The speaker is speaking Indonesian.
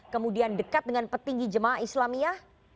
kemudian dekat dengan petinggi jemaah islamiyah